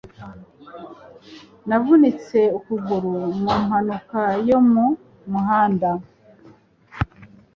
Navunitse ukuguru mu mpanuka yo mu muhanda.